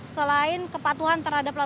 selain kepatuhan terhadap lokasi